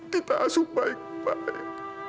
kita asuh baik baik